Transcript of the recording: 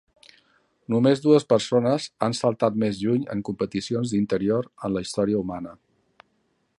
Només dues persones han saltat més lluny en competicions d'interior en la història humana.